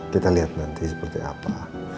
kita lihat nanti seperti apa